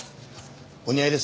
お似合いです。